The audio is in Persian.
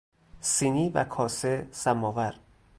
سینی و کاسه سماور